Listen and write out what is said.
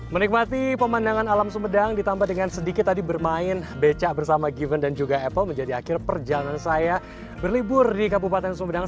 menikmati pemandangan alam sumedang ditambah dengan sedikit tadi bermain beca bersama given dan juga apple menjadi akhir perjalanan saya berlibur di kabupaten sumedang